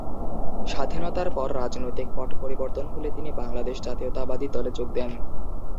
স্বাধীনতার পর রাজনৈতিক পট পরিবর্তন হলে তিনি বাংলাদেশ জাতীয়তাবাদী দলে যোগ দেন।